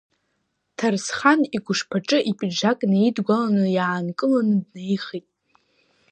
Ҭарсхан игәышԥаҿы ипиджак неидгәаланы иаанкыланы днаихеит.